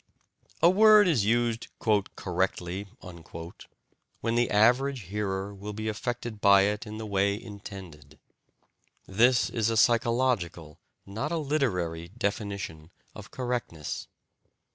A word is used "correctly" when the average hearer will be affected by it in the way intended. This is a psychological, not a literary, definition of "correctness."